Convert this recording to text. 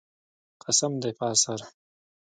قسم دی په عصر.